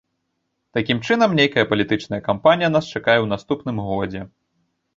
Такім чынам, нейкая палітычная кампанія нас чакае ў наступным годзе.